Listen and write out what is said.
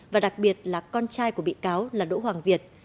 và đặc biệt là con trai của bị cáo là đỗ hoàng việt